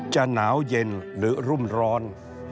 จะหนาวเย็นหรือรุ่มร้อน